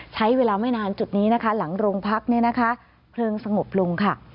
ใช้เวลาไม่นานจุดนี้นะคะหลังโรงพักเนี่ยนะคะเพลิงสงบลงค่ะ